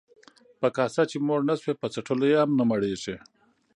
ـ په کاسه چې موړ نشوې، په څټلو يې هم نه مړېږې.